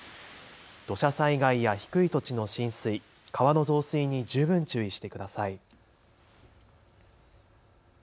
土砂災害や低い土地の浸水、川の増水に十分注意してください。